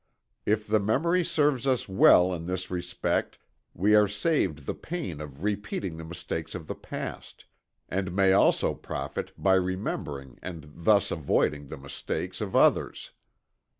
If the memory serves us well in this respect we are saved the pain of repeating the mistakes of the past, and may also profit by remembering and thus avoiding the mistakes of others.